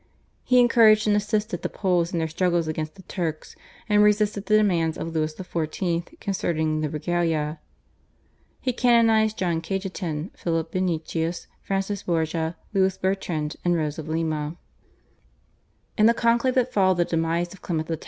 He encouraged and assisted the Poles in their struggles against the Turks, and resisted the demands of Louis XIV. concerning the /Regalia/. He canonised John Cajetan, Philip Benitius, Francis Borgia, Louis Bertrand, and Rose of Lima. In the conclave that followed the demise of Clement X.